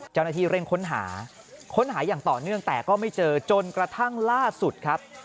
เจ้าหน้าที่เร่งค้นหาค้นหาอย่างต่อเนื่องแต่ก็ไม่เจอจนกระทั่งล่าสุดครับ